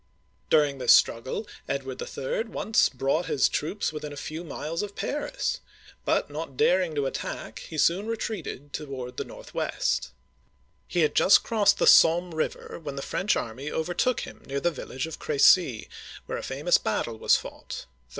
During this struggle, Edward III. once brought his Digitized by Google PHILIP VI. (1328 1350) 149 troops within a few miles of Paris ; but, not daring to at tack, he soon retreated toward the northwest. He had just crossed the Somme(s6m) River, when the French army overtook him near the village of Cr^cy (era see'), where a famous battle was fought (1346).